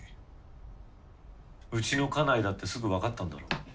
うちの家内だってすぐ分かったんだろう。